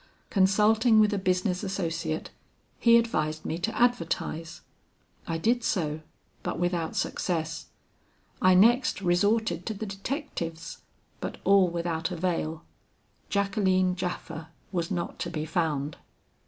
Consulting with a business associate, he advised me to advertise. I did so, but without success. I next resorted to the detectives, but all without avail. Jacqueline Japha was not to be found.